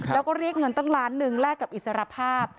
แล้วก็เรียกเงินตั้งล้านหนึ่งแลกกับอิสรภาพ